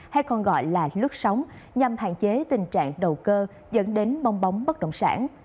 hay còn gọi là lướt sóng nhằm hạn chế tình trạng đầu cơ dẫn đến bong bóng bất động sản